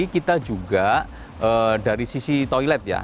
kita juga dari sisi toilet ya